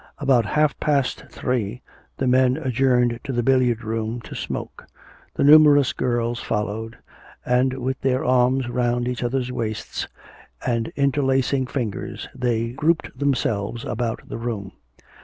About half past three the men adjourned to the billiard room to smoke. The numerous girls followed, and with their arms round each other's waists and interlacing fingers, they grouped themselves about the room.